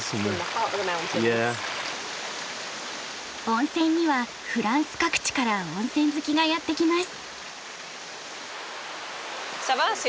温泉にはフランス各地から温泉好きがやって来ます。